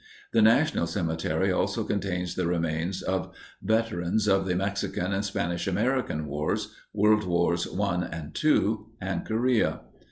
The national cemetery also contains the remains of veterans of the Mexican and Spanish American Wars, World Wars I and II, and Korea.